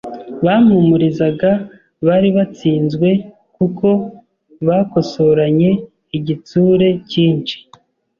bampumurizaga bari batsinzwe kuko bakosoranye igitsure cyinshi.